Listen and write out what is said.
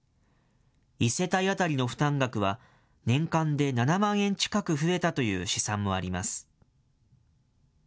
１世帯当たりの負担額は、年間で７万円近く増えたという試算もあります。